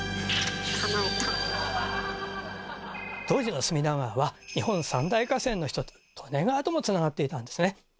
当時の隅田川は日本三大河川の一つ利根川ともつながっていたんですね。